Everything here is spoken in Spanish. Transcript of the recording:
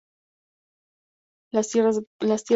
Las tierras bajas occidentales son las mayor zona agrícola.